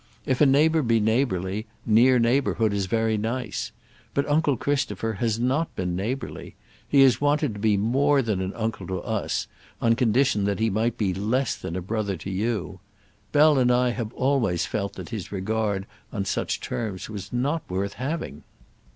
If a neighbour be neighbourly, near neighbourhood is very nice. But uncle Christopher has not been neighbourly. He has wanted to be more than an uncle to us, on condition that he might be less than a brother to you. Bell and I have always felt that his regard on such terms was not worth having."